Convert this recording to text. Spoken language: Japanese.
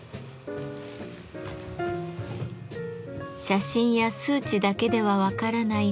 写真や数値だけでは分からない